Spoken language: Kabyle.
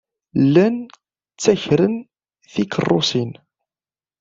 Llan ttakren tikeṛṛusin.